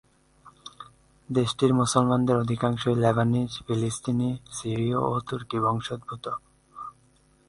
দেশটির মুসলমানদের অধিকাংশই লেবানিজ, ফিলিস্তিনি, সিরীয় ও তুর্কি বংশোদ্ভূত।